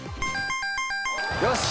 よし！